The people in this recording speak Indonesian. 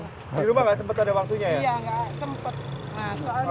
di rumah nggak sempet ada waktunya ya